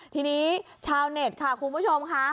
ทีนี้ชาวเน็ตค่ะคุณผู้ชมค่ะ